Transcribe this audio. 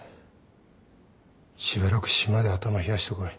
しばらく島で頭冷やしてこい